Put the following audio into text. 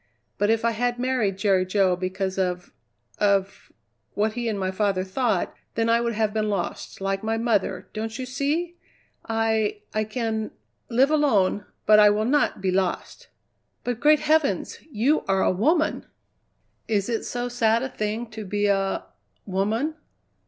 But if I had married Jerry Jo because of of what he and my father thought, then I would have been lost, like my mother, don't you see? I I can live alone, but I will not be lost." "But, great heavens! you are a woman!" "Is it so sad a thing to be a woman?